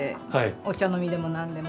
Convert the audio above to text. お茶飲みでもなんでも。